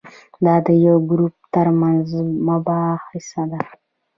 دا د یو ګروپ ترمنځ مباحثه ده.